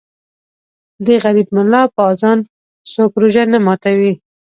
ـ د غریب ملا په اذان څوک روژه نه ماتوي.